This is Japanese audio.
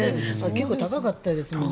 結構高かったですね。